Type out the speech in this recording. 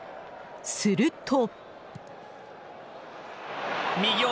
すると。